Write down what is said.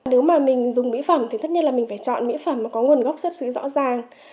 nếu mà mình dùng mỹ phẩm thì tất nhiên là mình phải chọn mỹ phẩm mà có nguồn gốc xuất xứ rõ ràng